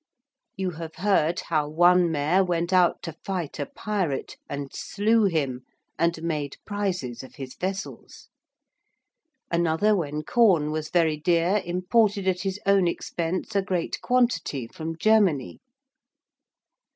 You have heard how one Mayor went out to fight a pirate and slew him and made prizes of his vessels. Another when corn was very dear imported at his own expense a great quantity from Germany.